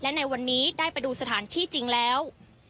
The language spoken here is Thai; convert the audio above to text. และในวันนี้ได้ไปดูสถานที่จริงแล้ว